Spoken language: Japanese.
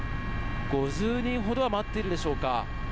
５０人ほどは待っているでしょうか。